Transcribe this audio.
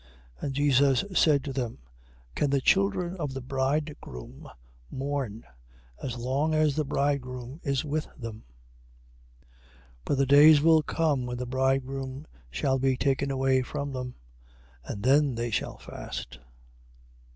And Jesus said to them: Can the children of the bridegroom mourn, as long as the bridegroom is with them? But the days will come, when the bridegroom shall be taken away from them, and then they shall fast.